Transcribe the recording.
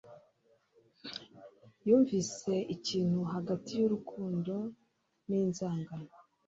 Yumvise ikintu hagati yurukundo ninzangano.